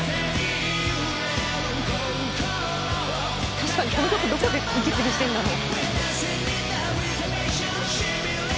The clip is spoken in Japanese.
「確かにこの曲どこで息継ぎしてるんだろう」